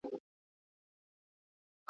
تدریس یوازي لوستل دي خو پوهنه پوهېدل دي.